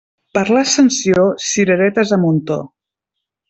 Per l'Ascensió, cireretes a muntó.